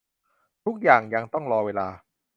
ทุกอย่างยังต้องรอเวลา